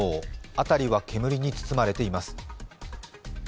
辺りは煙に包まれています。